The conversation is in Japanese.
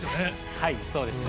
はい、そうですね。